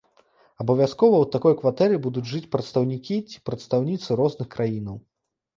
Абавязкова ў такой кватэры будуць жыць прадстаўнікі ці прадстаўніцы розных краінаў.